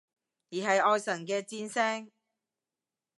而係愛神嘅箭聲？